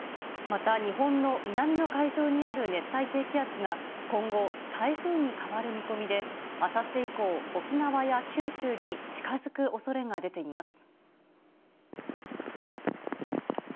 また、日本の南の海上にある熱帯低気圧が今後、台風に変わる見込みで、あさって以降、沖縄や九州に近づくおそれが出ています。